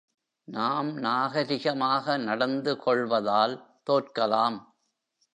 நாம் நாகரிகமாக நடந்து கொள்வதால் தோற்கலாம்.